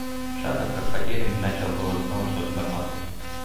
Шатов как потерянный начал было снова что-то бормотать.